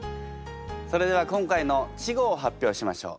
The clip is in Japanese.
それでは今回の稚語を発表しましょう。